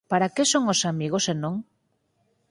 ¿Para que son os amigos, se non?